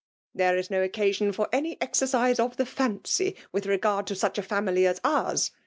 — 'There is no occasion for any ex ercise of the fancy with regard to such a family as purs